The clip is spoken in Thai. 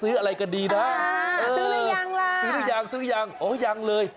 เอางะเรื่อยัง